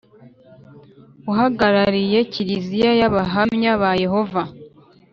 Uhagarariye Kiliziya y’Abahamya ba Yehova